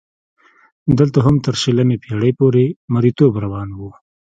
دلته هم تر شلمې پېړۍ پورې مریتوب روان و.